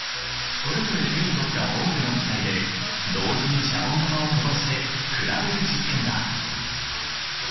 それぞれ手に取ったボンベの気体で同時にシャボン玉を飛ばして比べる実験だ！